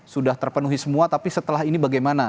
sudah terpenuhi semua tapi setelah ini bagaimana